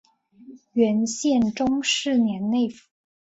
元宪宗四年内附。